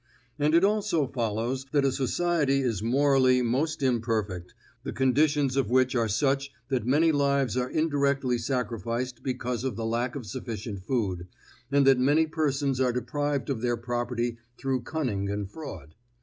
And it also follows that a society is morally most imperfect, the conditions of which are such that many lives are indirectly sacrificed because of the lack of sufficient food, and that many persons are deprived of their property through cunning and fraud.